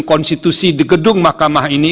konstitusi di gedung mahkamah ini